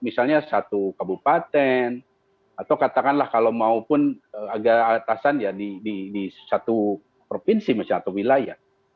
misalnya satu kabupaten atau katakanlah kalau maupun agak atasan ya di satu provinsi misalnya atau wilayah